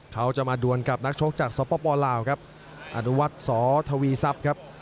เขาจะมาด่วนกับนักชกจากสปลาวอันวัดสทวีซับ